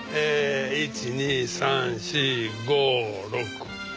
１２３４５６あれ？